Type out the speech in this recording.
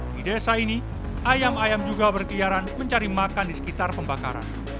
di desa ini ayam ayam juga berkeliaran mencari makan di sekitar pembakaran